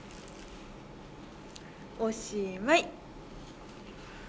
おしまい。